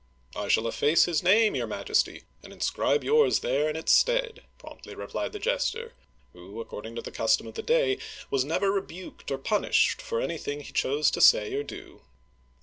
" "I shall efface his name, your majesty, and inscribe yours there in its stead," promptly re plied the jester, who, according to the custom of the day, was never rebuked or punished for any thing he chose to say or do.